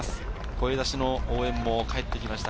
声出しの応援もかえってきました。